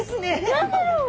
何だろう。